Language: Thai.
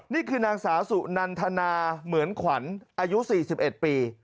นี่คือนางสาวสุนันทนาเหมือนขวัญอายุ๔๑ปี